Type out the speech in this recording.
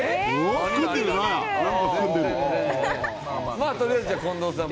まあとりあえずじゃあ近藤さん